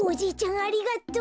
あありがとう！